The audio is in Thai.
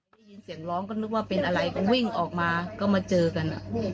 ได้ยินเสียงร้องก็นึกว่าเป็นอะไรก็วิ่งออกมาก็มาเจอกัน